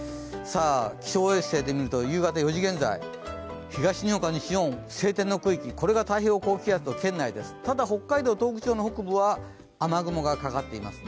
気象衛星で見ると、夕方４時現在、東日本から西日本、晴天の区域、これが太平洋の中ですただ、北海道、東北地方の北部は雨雲がかかっています。